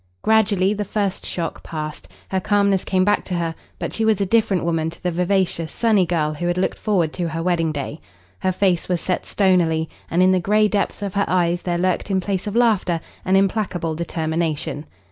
Gradually the first shock passed. Her calmness came back to her, but she was a different woman to the vivacious, sunny girl who had looked forward to her wedding day. Her face was set stonily, and in the grey depths of her eyes there lurked in place of laughter an implacable determination.